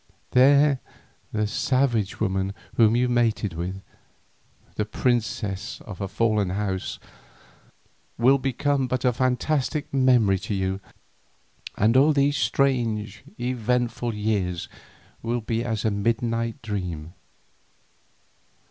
There the savage woman whom you mated with, the princess of a fallen house, will become but a fantastic memory to you, and all these strange eventful years will be as a midnight dream.